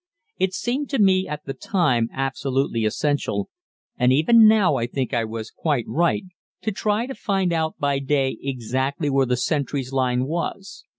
It seemed to me at the time absolutely essential, and even now I think I was quite right, to try to find out by day exactly where the sentries' line was.